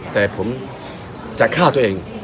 แต่ผมจะฆ่าตัวเอง